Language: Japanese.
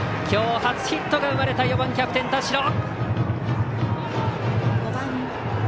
きょう、初ヒットが生まれた４番キャプテン、田代。